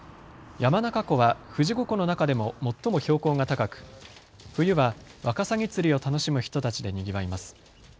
山中湖は富士五湖の中でも最も標高が高く冬はワカサギ釣りを楽しむ人たちでにぎわいます。